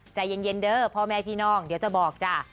ใจเย็นเด้อพ่อแม่พี่น้องเดี๋ยวจะบอกจ้ะ